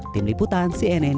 tim liputan cnn